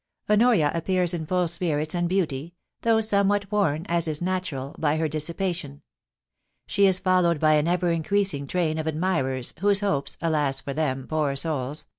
Honoria appears in full spirits and beauty, though somewhat worn, as is natural, by her TOM DUNGIE GOSSIPS. 285 dissipation. She is followed by an ever increasing train of admirers, whose hopes — alas for them, poor souls